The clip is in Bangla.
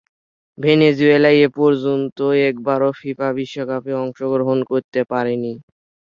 ভেনেজুয়েলা এপর্যন্ত একবারও ফিফা বিশ্বকাপে অংশগ্রহণ করতে পারেনি।